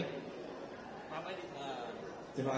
terima kasih pak emang